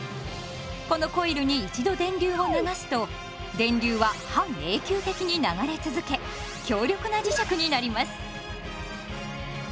このコイルに一度電流を流すと電流は半永久的に流れ続け強力な磁石になります。